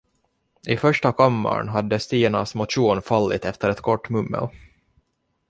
I första kammaren hade Stinas motion fallit efter ett kort mummel.